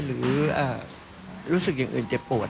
หรือรู้สึกอย่างอื่นเจ็บปวด